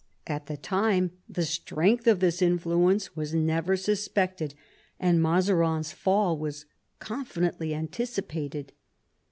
At the time the strength of this influence was never suspected, and Mazarines fall was confidently anticipated.